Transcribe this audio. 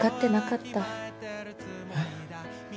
えっ？